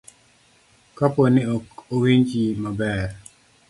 kapo ni ok owinji maber.